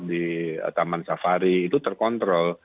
di taman safari itu terkontrol